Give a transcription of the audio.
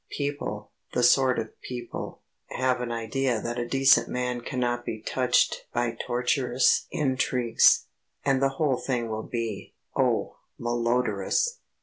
People the sort of people have an idea that a decent man cannot be touched by tortuous intrigues. And the whole thing will be oh, malodorous.